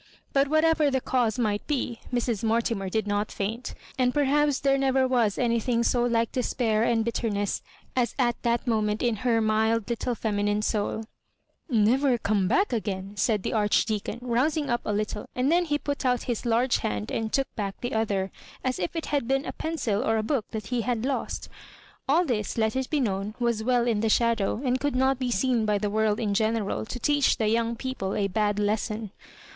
But whatever the cause might be, Mrs. Mortimer did not faint ; and per haps there never was anything so like despair and bitterness as at that moment in her mild lit tle feminine soul " Never come back again ?" said the Archdea con, rousing up a little ; and then he put out hL^ large hand and took back the other, as if it had been a pencil or a book that he had lost All this, let it be known, was well in the shadow, and could not be seen by the world in general to teach the young people a bad lesson.